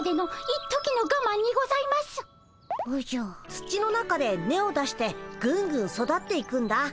土の中で根を出してぐんぐん育っていくんだ。